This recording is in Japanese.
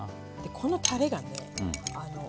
このたれがね